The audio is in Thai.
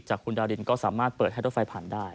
คุณดารินก็สามารถเปิดให้รถไฟผ่านได้